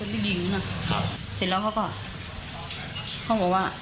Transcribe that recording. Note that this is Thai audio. ว่าคือเขามา